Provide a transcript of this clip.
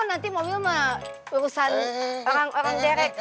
nanti mobil mah urusan orang orang derek